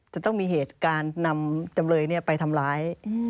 จะต้องมีเหตุการณ์นำจำเลยไปทำร้าย